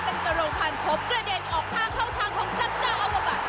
แต่กระโลงพันธุ์พบกระเด็นออกค่าเข้าทางของจ้าจ้าอัวบัติ